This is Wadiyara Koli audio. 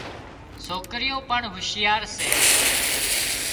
سوڪريو پڻ هوشيارا سي